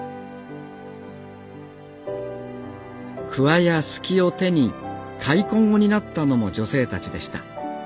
鍬や鋤を手に開墾を担ったのも女性たちでした。